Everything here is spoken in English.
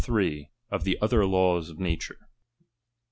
OF THE OTHER LAWS OF NATURE.